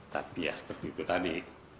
tapi ya seperti itu tadi